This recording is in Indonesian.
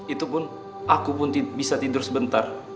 itu pun aku pun bisa tidur sebentar